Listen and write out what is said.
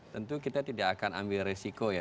tentu kita tidak akan ambil resiko ya